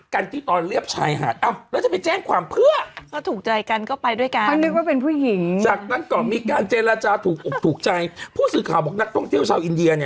คุณไม่ได้ดราบรับคุณไม่ได้บอกขอบคุณทั้งหมด